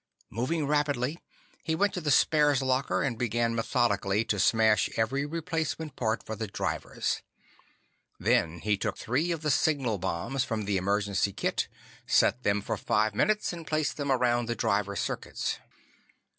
Moving rapidly, he went to the spares locker and began methodically to smash every replacement part for the drivers. Then he took three of the signal bombs from the emergency kit, set them for five minutes, and placed them around the driver circuits.